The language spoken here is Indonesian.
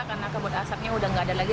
karena kabut asapnya sudah tidak ada lagi